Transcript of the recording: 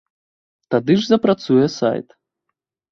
Тады ж запрацуе сайт.